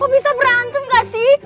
kok bisa berantem gak sih